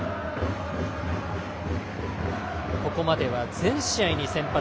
ここまでは全試合に先発。